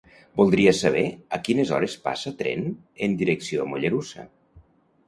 Voldria saber a quines hores passa tren en direcció a Mollerussa.